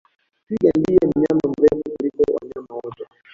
Twiga ndiye mnyama mrefu kuliko wanyama wote